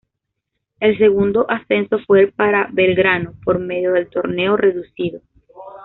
El segundo ascenso fue para Belgrano por medio del Torneo reducido.